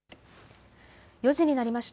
４時になりました。